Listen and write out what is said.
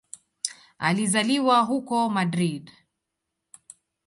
Alizaliwa huko Madrid.